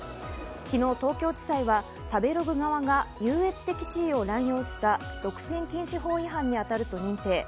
昨日、東京地裁は食べログ側が優越的地位を乱用した独占禁止法違反に当たると認定。